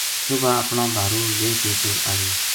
صبح اپنا بھارُو لے کے ٹُر آیو